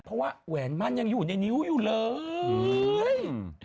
เพราะว่าแหวนมั่นยังอยู่ในนิ้วอยู่เลย